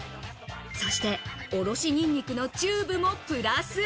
そして、おろしにんにくのチューブもプラス。